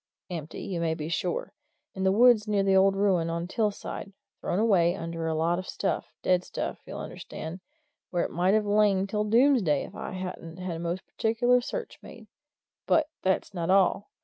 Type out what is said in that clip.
Empty, you may be sure. In the woods near that old ruin on Till side. Thrown away under a lot of stuff dead stuff, you'll understand, where it might have lain till Doomsday if I hadn't had a most particular search made. But that's not all.